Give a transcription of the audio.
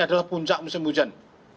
adalah puncak musim hujan